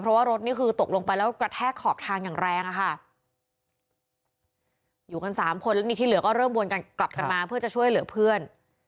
เพราะว่ารถนี่คือตกลงไปแล้วกระแทกขอบทางอย่างแรงอะค่ะอยู่กันสามคนแล้วนี่ที่เหลือก็เริ่มวนกันกลับกันมาเพื่อจะช่วยเหลือเพื่อน